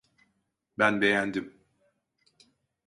Ben beğendim.